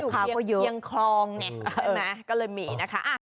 เขาอยู่เคียงคลองเนี่ยก็เลยมีนะคะ